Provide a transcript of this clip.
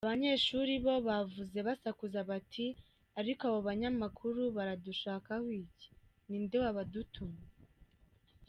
Abanyeshuri bo bavuze basakuza bagira bati: “Ariko aba banyamakuru baradushakaho iki ni nde wabadutumye?”.